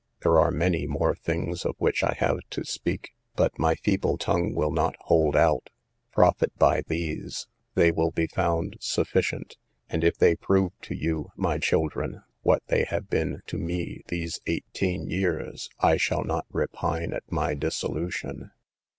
There are many more things of which I have to speak, but my feeble tongue will not hold out. Profit by these: they will be found sufficient, and if they prove to you, my children, what they have been to me these eighteen years, I shall not repine at my dissolution."